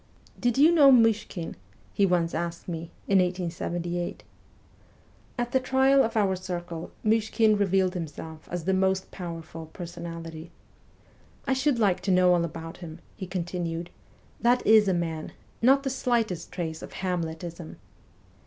' Did you know Myshkin ?' he once asked me, in 1878. At the trial of our circle Myshkin revealed himself as the most powerful personality. ' I should like to know all about him/ he continued. ' That is a man ; not the slightest trace of Hamletism.'